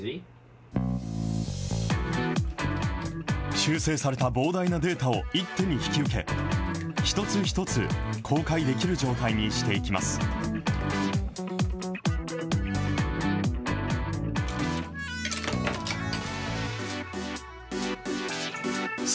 修正された膨大なデータを一手に引き受け、一つ一つ公開できる状態にしていきます。